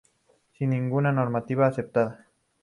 Sin ninguna normativa aceptada.